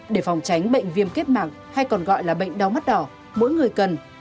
để phòng tránh bệnh viêm kết mạng hay còn gọi là bệnh đau mắt đỏ mỗi người cần